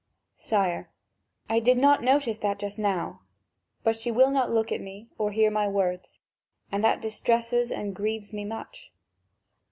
"Sire, I did not notice that just now; but she will not look at me or hear my words, and that distresses and grieves me much."